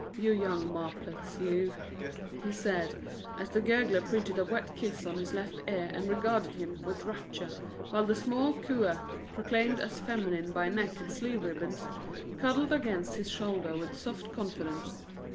"You young marplots, you!" he said as the gurgler printed a wet kiss on his left ear and regarded him with rapture while the small cooer, proclaimed as feminine by neck and sleeve ribbons, cuddled against his shoulder with soft confidence.